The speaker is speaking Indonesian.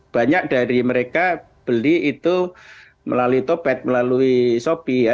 banyak dari mereka beli itu melalui topet melalui shopee ya